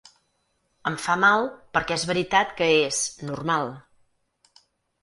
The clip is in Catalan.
Em fa mal perquè és veritat que és ‘normal’.